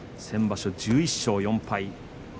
先場所は１１勝４敗。